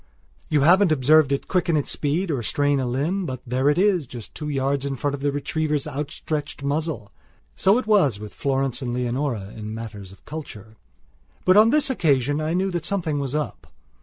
You haven't observed it quicken its speed or strain a limb; but there it is, just two yards in front of the retriever's outstretched muzzle. So it was with Florence and Leonora in matters of culture. But on this occasion I knew that something was up.